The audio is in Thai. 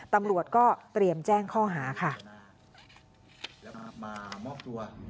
ตำรวจก็เตรียมแจ้งข้อหาค่ะ